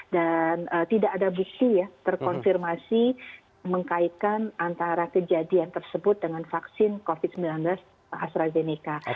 dan tidak ada bukti ya terkonfirmasi mengkaitkan antara kejadian tersebut dengan vaksin covid sembilan belas astrazeneca